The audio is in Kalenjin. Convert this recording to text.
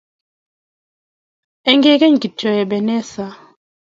Inyegei kityo Ebeneza